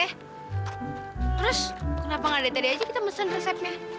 terus kenapa gak dari tadi aja kita mesen resepnya